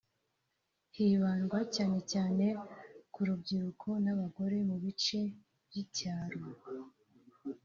hibandwa cyane cyane ku rubyiruko n’abagore mu bice by’icyaro